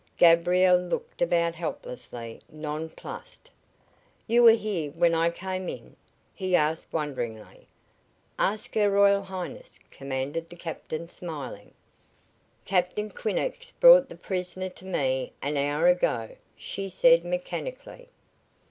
Gabriel looked about helplessly, nonplussed. "You were here when I came in?" he asked, wonderingly. "Ask Her Royal Highness," commanded the captain, smiling. "Captain Quinnox brought the prisoner to me an hour ago," she said, mechanically.